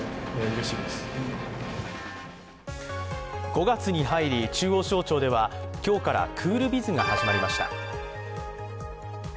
５月に入り、中央省庁では今日からクールビズが始まりました。